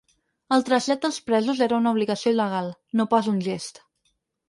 El trasllat dels presos era una obligació legal, no pas un gest.